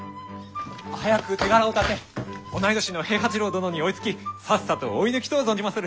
早く手柄を立て同い年の平八郎殿に追いつきさっさと追い抜きとう存じまする。